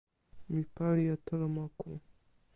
mi pali e telo moku.